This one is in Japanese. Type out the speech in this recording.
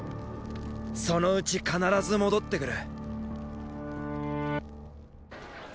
そのうち必ず戻ってくる。